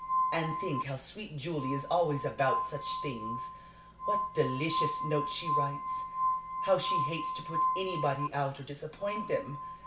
And think how sweet Julie is always about such things what delicious notes she writes, how she hates to put anybody out or disappoint them!